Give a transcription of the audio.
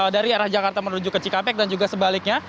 dari arah jakarta menuju ke cikampek dan juga sebaliknya